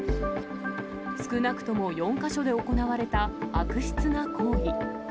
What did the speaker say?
少なくとも４か所で行われた悪質な行為。